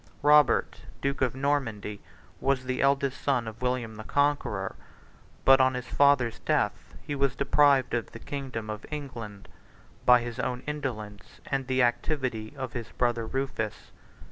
46 Robert, duke of Normandy, was the eldest son of William the Conqueror; but on his father's death he was deprived of the kingdom of England, by his own indolence and the activity of his brother Rufus.